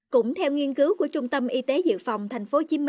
cũng theo nghiên cứu của trung tâm y tế dự phòng tp hcm